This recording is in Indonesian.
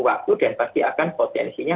waktu dan pasti akan potensinya